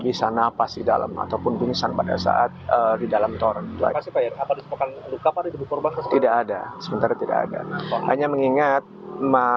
untuk melakukan penismo media yang rutu